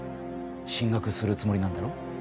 進学するつもりなんだろう？